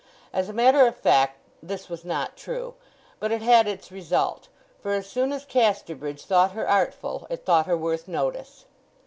As a matter of fact this was not true, but it had its result; for as soon as Casterbridge thought her artful it thought her worth notice.